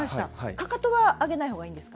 かかとは上げない方がいいですか。